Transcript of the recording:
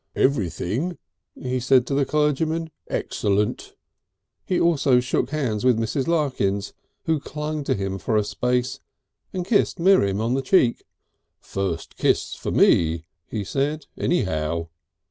"Everything," he said to the clergyman, "excellent." He also shook hands with Mrs. Larkins, who clung to him for a space, and kissed Miriam on the cheek. "First kiss for me," he said, "anyhow."